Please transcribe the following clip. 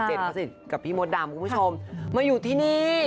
พระศิษย์กับพี่มดดำคุณผู้ชมมาอยู่ที่นี่